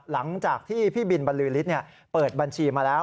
หลังจากที่พี่บินบรรลือฤทธิ์เปิดบัญชีมาแล้ว